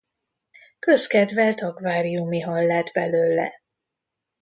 Közkedvelt akváriumi hal lett belőle.